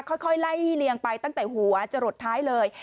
ค่อยไล่เลียงไปตั้งแต่หัวจะหลดท้ายเลย